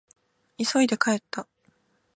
急いで帰った。